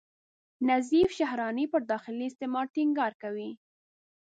نظیف شهراني پر داخلي استعمار ټینګار کوي.